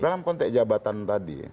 dalam konteks jabatan tadi